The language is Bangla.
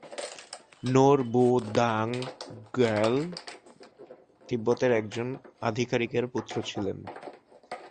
নোর-বু-দ্বাং-র্গ্যাল তিব্বতের একজন আধিকারিকের পুত্র ছিলেন।